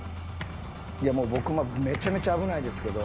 いや僕もめちゃめちゃ危ないですけど。